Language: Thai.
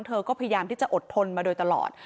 เธอก็พยายามที่จะอดทนมาโดยตลอด